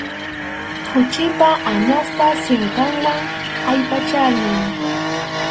Khuchipa, añaspa sinqanwan allpachaynin.